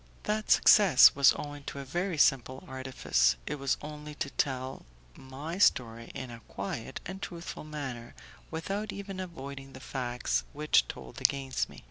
That success was owing to a very simple artifice; it was only to tell my story in a quiet and truthful manner, without even avoiding the facts which told against me.